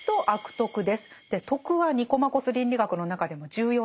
「徳」は「ニコマコス倫理学」の中でも重要な概念でした。